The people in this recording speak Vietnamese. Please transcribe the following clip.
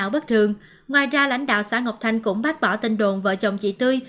bất thường ngoài ra lãnh đạo xã ngọc thanh cũng bác bỏ tên đồn vợ chồng chị tươi